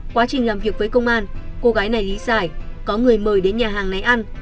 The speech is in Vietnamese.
quá trình làm việc với công an cô gái này lý giải có người mời đến nhà hàng náy ăn